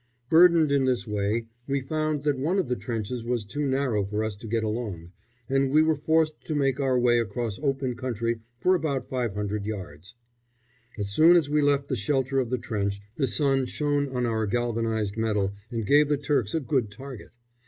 Burdened in this way, we found that one of the trenches was too narrow for us to get along, and we were forced to make our way across open country for about 500 yards. As soon as we left the shelter of the trench the sun shone on our galvanised metal and gave the Turks a good target.